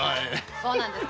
そうなんですか？